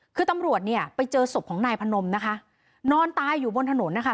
คือตำรวจเนี่ยไปเจอศพของนายพนมนะคะนอนตายอยู่บนถนนนะคะ